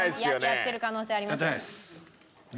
やってる可能性あります。